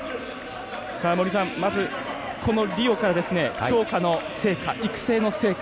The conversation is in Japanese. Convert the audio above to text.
森さん、まずリオから強化の成果、育成の成果